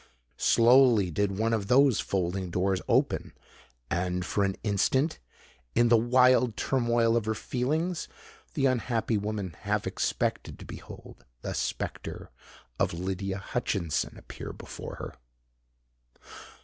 Slowly did one of those folding doors open; and for an instant, in the wild turmoil of her feelings, the unhappy woman half expected to behold the spectre of Lydia Hutchinson appear before her.